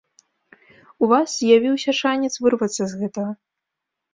У вас з'явіўся шанец вырвацца з гэтага.